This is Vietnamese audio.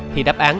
thì đáp án